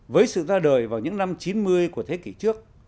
với sự ra đời vào những năm chín mươi của thế kỷ trước